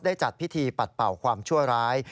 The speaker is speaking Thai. จัดพิธีปัดเป่าความชั่วร้าย